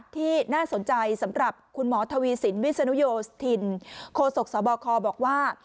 ที่น่าสนใจสำหรับคุณหมอทวีสินวิศนุโยธินโคศกสบคบอกว่า